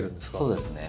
そうですね。